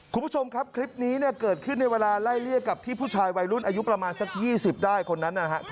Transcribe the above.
คุณผู้ชมครับคลิปนี้เนี่ยเกิดขึ้นในเวลาไล่เลี่ยกับที่ผู้ชายวัยรุ่นอายุประมาณสัก๒๐ได้คนนั้นนะครับ